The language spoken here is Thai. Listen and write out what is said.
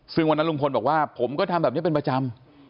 ซึ่งวันนั้นลุงพลบอกว่าผมก็ทำแบบนี้เป็นประจำ